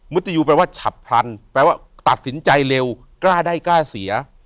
ตยูแปลว่าฉับพลันแปลว่าตัดสินใจเร็วกล้าได้กล้าเสีย